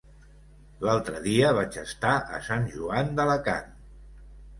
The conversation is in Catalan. L'altre dia vaig estar a Sant Joan d'Alacant.